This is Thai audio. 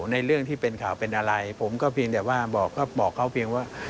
ในเรื่องที่เป็นข่าวเป็นอะไรผมก็เพียงแต่ว่าบอกเขาเพียงว่า